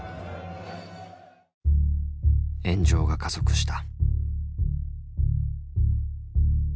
炎上が加速した。